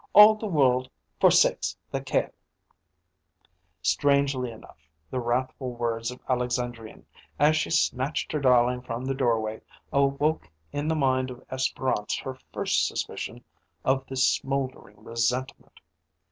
All the world forsakes the Caille." Strangely enough, the wrathful words of Alexandrine, as she snatched her darling from the doorway, awoke in the mind of Espérance her first suspicion of this smouldering resentment.